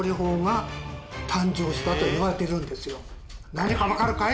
何か分かるかい？